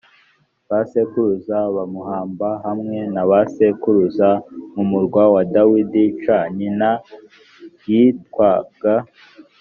ba sekuruza bamuhamba hamwe na ba sekuruza mu murwa wa dawidi c nyina yitwaga